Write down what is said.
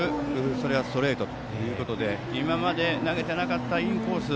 それはストレートということで今まで投げてなかったインコース。